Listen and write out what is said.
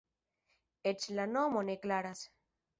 Eĉ la nomo ne klaras.